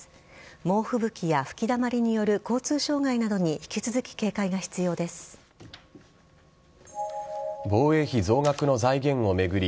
猛吹雪や吹きだまりによる交通障害などに防衛費総額の財源を巡り